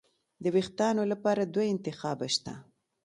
د وېښتانو لپاره دوه انتخابه شته.